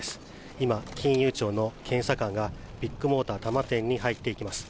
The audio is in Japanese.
今、金融庁の検査官がビッグモーター多摩店に入っていきます。